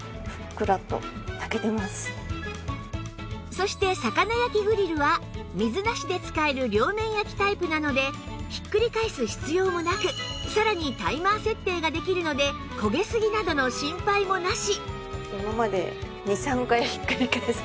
そして魚焼きグリルは水なしで使える両面焼きタイプなのでひっくり返す必要もなくさらにタイマー設定ができるので焦げすぎなどの心配もなし